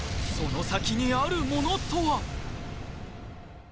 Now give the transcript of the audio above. そのさきにあるものとは！？